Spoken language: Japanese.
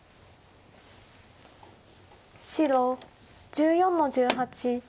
白１４の十八。